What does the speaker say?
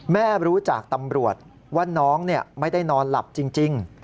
รู้จากตำรวจว่าน้องไม่ได้นอนหลับจริง